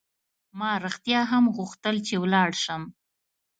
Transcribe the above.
ما رښتیا هم غوښتل چې ولاړ شم.